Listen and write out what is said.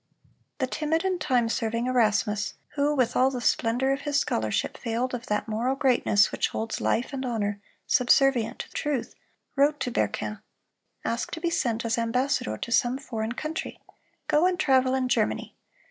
The timid and time serving Erasmus, who with all the splendor of his scholarship failed of that moral greatness which holds life and honor subservient to truth, wrote to Berquin: "Ask to be sent as ambassador to some foreign country; go and travel in Germany.